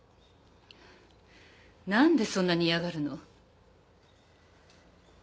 何でそんなに嫌がるの。